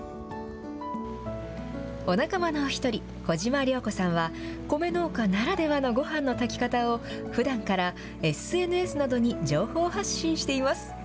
お仲間の一人、小島綾子さんは、米農家ならではのごはんの炊き方をふだんからＳＮＳなどに情報発信しています。